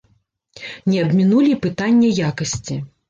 Не абмінулі і пытання якасці.